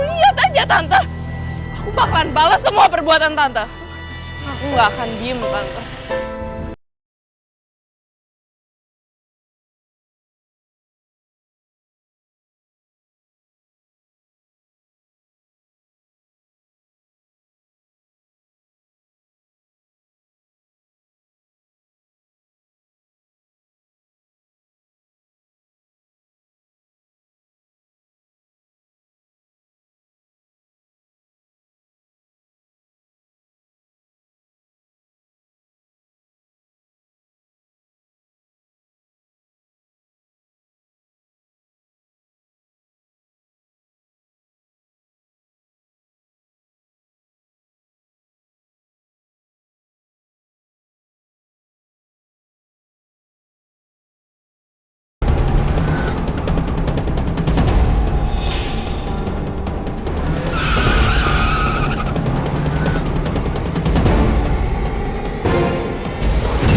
lihat aja tante aku bakalan bales semua perbuatan tante aku nggak akan diem tante